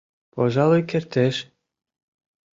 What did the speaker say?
Пожалуй кертеш.